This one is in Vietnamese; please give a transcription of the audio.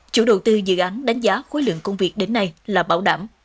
chủ đầu tư dự án đánh giá khối lượng công việc đến nay là bảo đảm